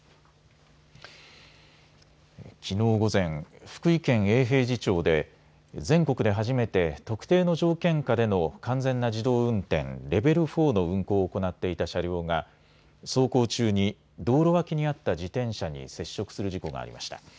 きのう午前、福井県永平寺町で全国で初めて特定の条件下での完全な自動運転、レベル４の運行を行っていた車両が走行中に道路脇にあった自転車に接触する事故がありました。